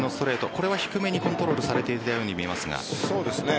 これは低めにコントロールされていたようにそうですね。